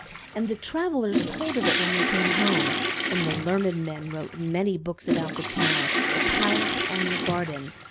And the travelers told of it when they came home; and the learned men wrote many books about the town, the palace, and the garden.